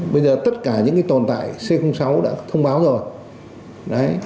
bây giờ tất cả những tồn tại c sáu đã thông báo rồi